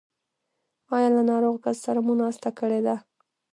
ایا له ناروغ کس سره مو ناسته کړې ده؟